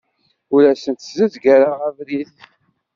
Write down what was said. Ur asent-ssezgareɣ abrid.